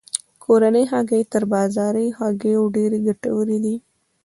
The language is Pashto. کورنۍ هګۍ تر بازاري هګیو ډیرې ګټورې دي.